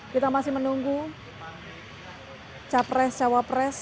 kita masih menunggu capres cawapres